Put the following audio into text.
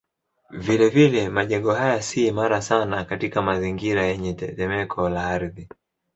Vilevile majengo haya si imara sana katika mazingira yenye tetemeko la ardhi.